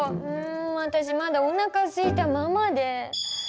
わたしまだおなかすいたままで。